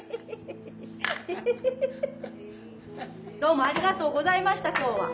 どうもありがとうございました今日は。